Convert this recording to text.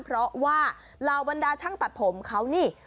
เพราะว่าเหล่าบรรดาช่างตัดผมเขานี่